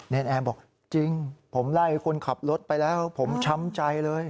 แอร์บอกจริงผมไล่คนขับรถไปแล้วผมช้ำใจเลย